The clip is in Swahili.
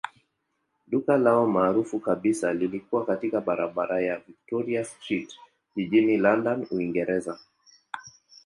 Duka lao maarufu kabisa lilikuwa katika barabara ya Victoria Street jijini London, Uingereza.